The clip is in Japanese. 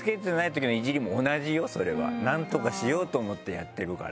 なんとかしようと思ってやってるから。